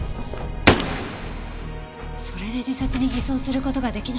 それで自殺に偽装する事が出来なくなった。